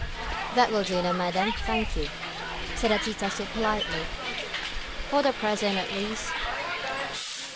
"That will do, madame, thank you," said the detective, politely, "for the present at least."